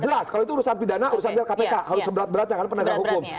jelas kalau itu urusan pidana urusan bilang kpk harus seberat beratnya karena penegak hukum